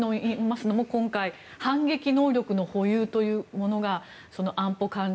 今回反撃能力の保有というものが安保関連